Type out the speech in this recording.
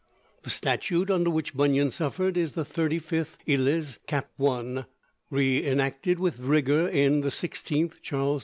The statute under which Bunyan suffered is the 35th Eliz., Cap. 1, re enacted with rigor in the 16th Charles II.